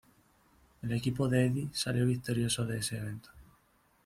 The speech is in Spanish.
El equipo de Eddie salió victorioso de ese evento.